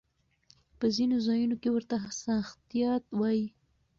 په ځينو ځايونو کې ورته ساختيات وايي.